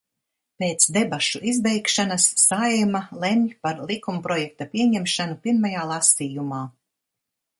Pēc debašu izbeigšanas Saeima lemj par likumprojekta pieņemšanu pirmajā lasījumā.